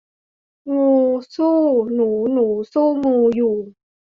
งูสู้หนูหนูสู้ งูอยู่